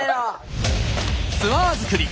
ツアー作り